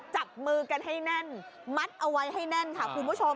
จับมือกันให้แน่นมัดเอาไว้ให้แน่นค่ะคุณผู้ชม